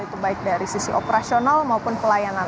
itu baik dari sisi operasional maupun pelayanan